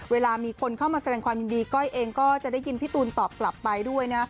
เวลามีคนเข้ามาแสดงความยินดีก้อยเองก็จะได้ยินพี่ตูนตอบกลับไปด้วยนะ